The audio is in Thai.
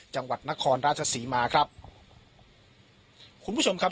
จังหวัดนครราชศรีมาครับคุณผู้ชมครับ